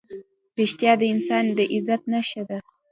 رښتیا د انسان د عزت نښه ده.